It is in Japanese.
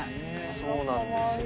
そうなんですよ。